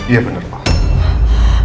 iya bener pak